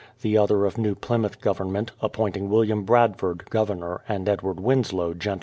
the other of New Plymouth Government, appointing William Bradford, Gov ernor, and Edward Winslow, gent.